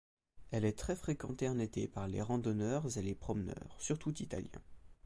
Elle est très fréquentée en été par les randonneurs et les promeneurs, surtout italiens.